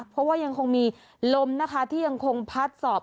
เพราะว่ายังคงมีลมนะคะที่ยังคงพัดสอบ